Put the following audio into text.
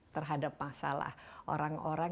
terhadap masalah orang orang